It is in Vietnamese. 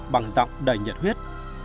bằng giọng đầy nhật huyết